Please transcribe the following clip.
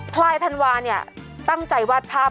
พลายธันวาเนี่ยตั้งใจวาดภาพ